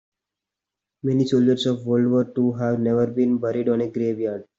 Many soldiers of world war two have never been buried on a grave yard.